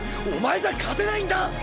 お前じゃ勝てないんだ！